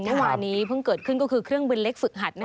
เมื่อวานนี้เพิ่งเกิดขึ้นก็คือเครื่องบินเล็กฝึกหัด